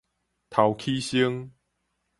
頭起先